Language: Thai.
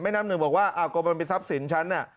น้ำหนึ่งบอกว่าอ้าวก็มันเป็นทรัพย์สินฉันน่ะ